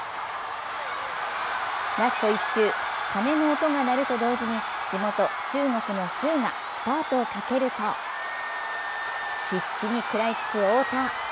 ラスト１周、鐘の音が鳴ると同時に、地元中国のシュウがスパートをかけると、必死に食らいつく太田。